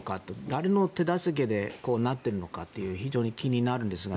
誰の手助けでこうなっているのかって非常に気になるんですが。